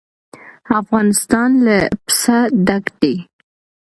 افغانستان له پسه ډک دی.